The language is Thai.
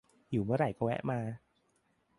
หิวเมื่อไหร่ก็แวะมา